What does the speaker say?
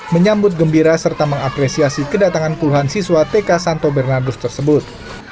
menyambut gembira serta mengapresiasi kedatangan puluhan siswa tk santo bernardus tersebut